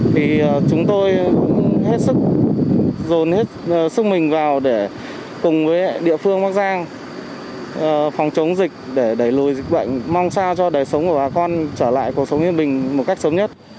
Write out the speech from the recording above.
vì chúng tôi hết sức dồn hết sức mình vào để cùng với địa phương bắc giang phòng chống dịch để đẩy lùi dịch bệnh mong sao cho đời sống của bà con trở lại cuộc sống yên bình một cách sớm nhất